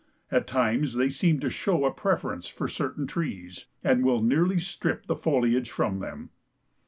At times they seem to show a preference for certain trees, and will nearly strip the foliage from them.